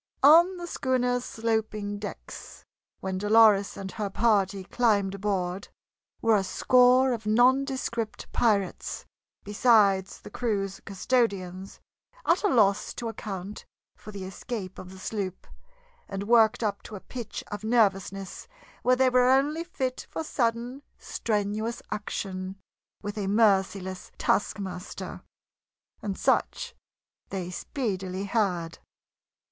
On the schooner's sloping decks, when Dolores and her party climbed aboard, were a score of nondescript pirates, besides the crew's custodians, at a loss to account for the escape of the sloop, and worked up to a pitch of nervousness where they were only fit for sudden, strenuous action with a merciless taskmaster. And such they speedily had.